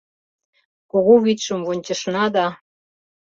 Кугу вӱдшым вончышна да